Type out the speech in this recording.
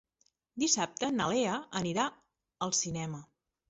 Dissabte na Lea anirà al cinema.